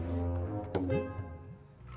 uang ke cimbring yang sudah laku